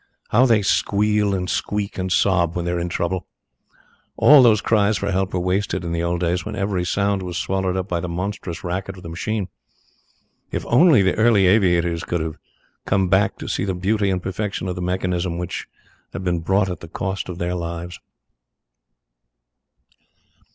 How they squeal and squeak and sob when they are in trouble! All those cries for help were wasted in the old days, when every sound was swallowed up by the monstrous racket of the machine. If only the early aviators could come back to see the beauty and perfection of the mechanism which have been bought at the cost of their lives!